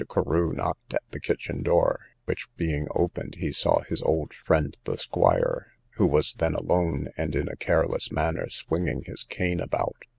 Carew knocked at the kitchen door, which being opened, he saw his old friend the squire, who was then alone, and in a careless manner swinging his cane about.